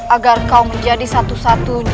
agar kau menjadi satu satunya